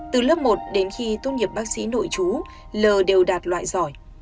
từ lớp một đến khi tốt nghiệp bác sĩ nội chú lờ đều đạt loại giỏi